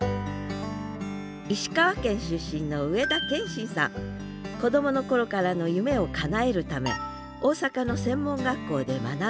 石川県出身の子どもの頃からの夢をかなえるため大阪の専門学校で学び